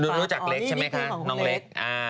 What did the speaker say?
รู้จักเล็กใช่ไหมคะน้องเล็ก